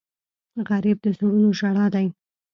غریب د زړونو ژړا دی